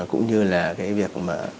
cũng như là cái việc